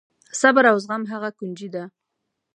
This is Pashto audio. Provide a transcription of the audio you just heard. صبر او زغم هغه کونجي ده.